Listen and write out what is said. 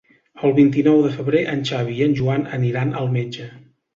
El vint-i-nou de febrer en Xavi i en Joan aniran al metge.